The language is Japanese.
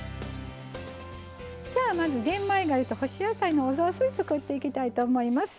じゃあまず玄米がゆと干し野菜のお雑炊作っていきたいと思います。